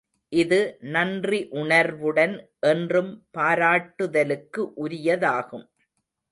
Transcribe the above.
இது நன்றி உணர்வுடன் என்றும் பாராட்டுதலுக்கு உரியதாகும்.